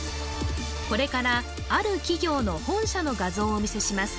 これからある企業の本社の画像をお見せします